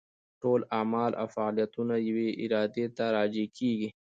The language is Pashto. ټول اعمال او فاعلیتونه یوې ارادې ته راجع کېږي.